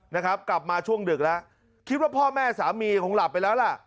นะครับกลับมาช่วงดึกแล้วคิดว่าพ่อแม่สามีคงหลับไปแล้วล่ะ